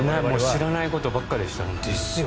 知らないことばかりでした。